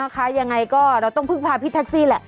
ยังไงก็เราต้องพึ่งพาพี่แท็กซี่แหละ